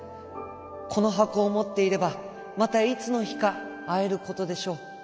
このはこをもっていればまたいつのひかあえることでしょう。